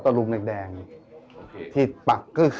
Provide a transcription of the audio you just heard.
ชื่องนี้ชื่องนี้ชื่องนี้ชื่องนี้